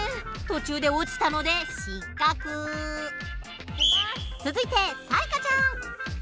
途中で落ちたので続いて彩加ちゃん。